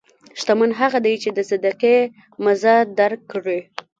شتمن هغه دی چې د صدقې مزه درک کړي.